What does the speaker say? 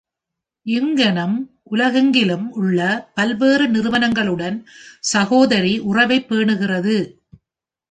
யியுங்னம் உலகெங்கிலும் உள்ள பல்வேறு நிறுவனங்களுடன் சகோதரி உறவைப் பேணுகிறது.